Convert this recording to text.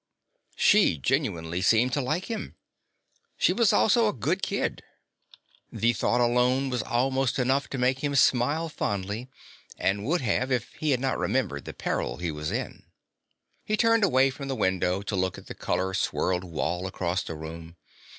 She genuinely seemed to like him. She was also a good kid. The thought alone was almost enough to make him smile fondly, and would have if he had not remembered the peril he was in. He turned away from the window to look at the color swirled wall across the room.